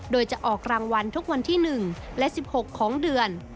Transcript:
โดยจะออกรางวัลทุกวันที่๑และ๑๖ของเดือน